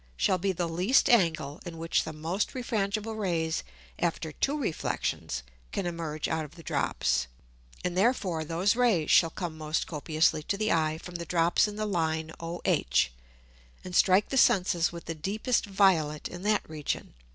shall be the least Angle, in which the most refrangible Rays after two Reflexions can emerge out of the Drops; and therefore those Rays shall come most copiously to the Eye from the Drops in the Line OH, and strike the Senses with the deepest violet in that Region.